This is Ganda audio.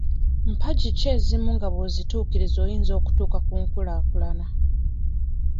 Mpagi ki ezimu nga bw'ozituukiriza oyinza okutuuka ku nkulaakulana?